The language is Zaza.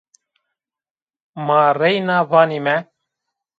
Ma reyna vanîme